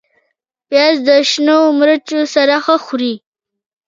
پیاز د شنو مرچو سره ښه خوري